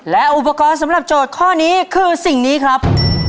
และอุปกรณ์สำหรับโจทย์ข้อนี้คือสิ่งนี้ครับ